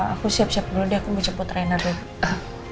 aku siap siap dulu deh aku mau jemput trainer deh